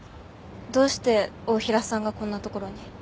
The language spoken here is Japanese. どうして太平さんがこんな所に？